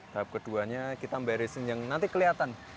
tahap keduanya kita beresin yang nanti kelihatan